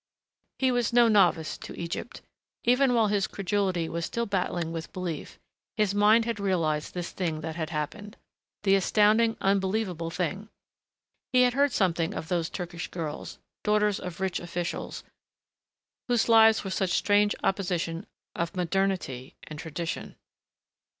He was no novice to Egypt. Even while his credulity was still battling with belief, his mind had realized this thing that had happened ... the astounding, unbelievable thing.... He had heard something of those Turkish girls, daughters of rich officials, whose lives were such strange opposition of modernity and tradition.